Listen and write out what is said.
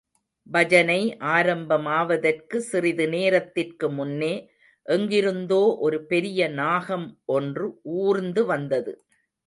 பஜனை ஆரம்பமாவதற்கு சிறிது நேரத்திற்கு முன்னே எங்கிருந்தோ ஒரு பெரிய நாகம் ஒன்று ஊர்ந்து வந்தது.